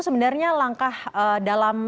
sebenarnya langkah dalam